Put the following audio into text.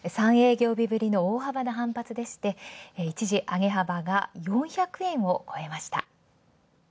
３営業日ぶりの大幅な反発でして、一時、上げ幅が４００円を超えました。